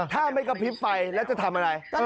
ถ้าไม่กระพริบไปแล้วจะทำอะไร